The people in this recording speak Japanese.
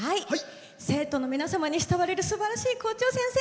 生徒の皆様に慕われるすばらしい校長先生。